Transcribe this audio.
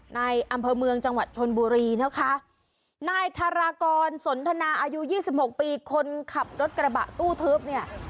อำเภอเมืองจังหวัดชนบุรีนะคะนายธารากรสนทนาอายุยี่สิบหกปีคนขับรถกระบะตู้ทึบเนี่ย